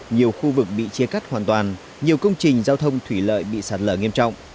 nhiều khu vực bị chia cắt hoàn toàn nhiều công trình giao thông thủy lợi bị sạt lở nghiêm trọng